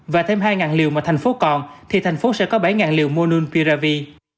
và thêm hai liều mà thành phố còn thì thành phố sẽ có bảy liều monunpiravi